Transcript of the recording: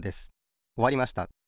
おわりました。